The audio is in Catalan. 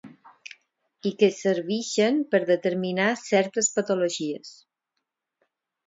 I que servixen per determinar certes patologies.